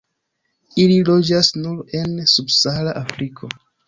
Ili loĝas nur en subsahara Afriko.